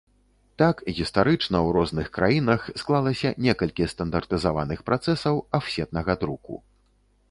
Так, гістарычна ў розных краінах склалася некалькі стандартызаваных працэсаў афсетнага друку.